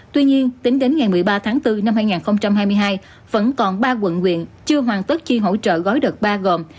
tuy nhiên tính đến ngày một mươi ba tháng bốn năm hai nghìn hai mươi hai vẫn còn ba quận quyện chưa hoàn tất chi hỗ trợ gói đợt ba gồm